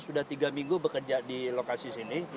sudah tiga minggu bekerja di lokasi sini